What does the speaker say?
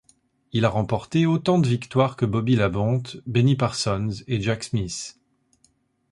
Il a remporté autant de victoires que Bobby Labonte, Benny Parsons et Jack Smith.